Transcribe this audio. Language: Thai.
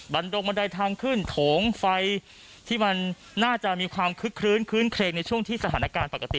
ดงบันไดทางขึ้นโถงไฟที่มันน่าจะมีความคึกคลื้นคื้นเครงในช่วงที่สถานการณ์ปกติ